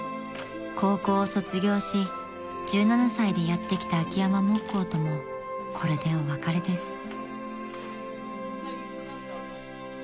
［高校を卒業し１７歳でやって来た秋山木工ともこれでお別れです］